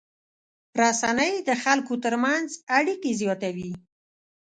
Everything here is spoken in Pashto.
رسنۍ د خلکو تر منځ اړیکې زیاتوي.